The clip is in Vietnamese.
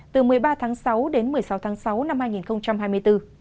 từ một mươi ba tháng sáu đến một mươi sáu tháng sáu năm hai nghìn hai mươi bốn